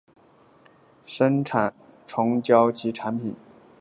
生产虫胶及其产品中常用变性乙醇作为溶剂。